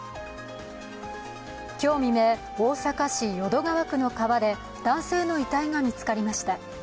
今日未明、大阪市淀川区の川で男性の遺体が見つかりました。